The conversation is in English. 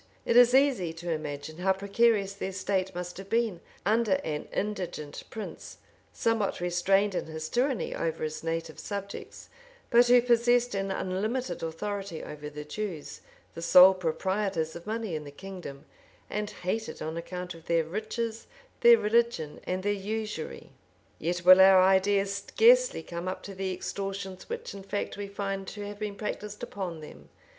It is easy to imagine how precarious their state must have been under an indigent prince, somewhat restrained in his tyranny over his native subjects, but who possessed an unlimited authority over the Jews, the sole proprietors of money in the kingdom, and hated on account of their riches, their religion, and their usury; yet will our ideas scarcely come up to the extortions which in fact we find to have been practised upon them.